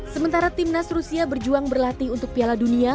sementara tim nas rusia berjuang berlatih untuk piala dunia